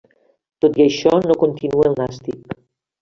Tot i això, no continua al Nàstic.